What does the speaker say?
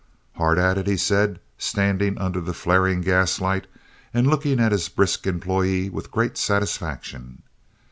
"Hard at it," he said, standing under the flaring gaslight and looking at his brisk employee with great satisfaction.